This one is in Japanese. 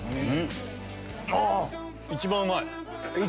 あ一番うまい！